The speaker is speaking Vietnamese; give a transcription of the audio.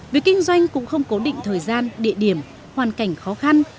việc kinh doanh cũng không cố định thời gian địa điểm hoàn cảnh khó khăn